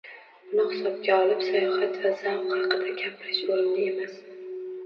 Buni hisobga olib, sayohat va zavq haqida gapirish o'rinli emas